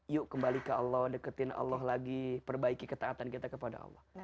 yuk kembali ke allah deketin allah lagi perbaiki ketaatan kita kepada allah